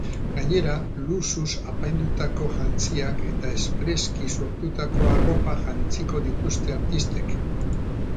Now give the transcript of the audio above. Gainera, luxuz apaindutako jantziak eta espreski sortutako arropak jantziko dituzte artistek.